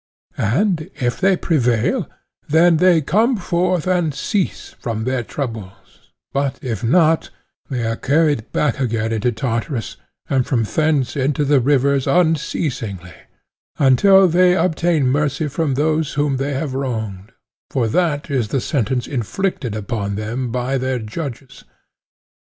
And if they prevail, then they come forth and cease from their troubles; but if not, they are carried back again into Tartarus and from thence into the rivers unceasingly, until they obtain mercy from those whom they have wronged: for that is the sentence inflicted upon them by their judges.